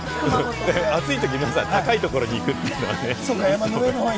暑いとき皆さん、高いところに行くっていうじゃない。